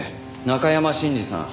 中山信二さん。